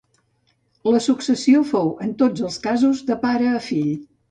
La successió fou en tots els casos de pare a fill.